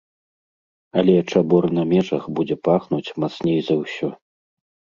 Але чабор на межах будзе пахнуць мацней за ўсё.